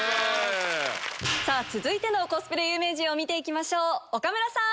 続いてのコスプレ有名人を見て行きましょう岡村さん！